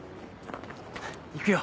行くよ。